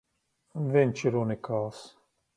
Viņš ir unikāls!